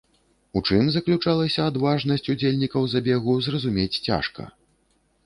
У чым заключалася адважнасць удзельнікаў забегу, зразумець цяжка.